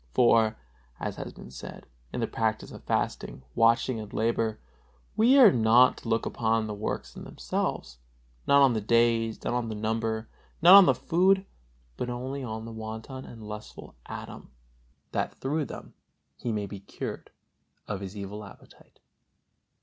For, as has been said, in the practice of fasting, watching and labor, we are not to look upon the works in themselves, not on the days, not on the number, not on the food, but only on the wanton and lustful Adam, that through them he may be cured of his evil appetite.